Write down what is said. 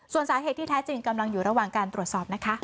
ส่วนสาเหตุที่แท้จริงกำลังอยู่ระหว่างการตรวจสอบนะคะ